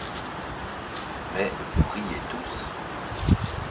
Mais vous riez tous.